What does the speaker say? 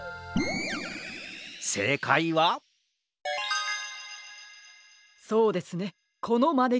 せいかいはそうですねこのまねきねこです。